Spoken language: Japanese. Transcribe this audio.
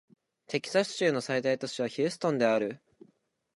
テキサス州の最大都市はヒューストンである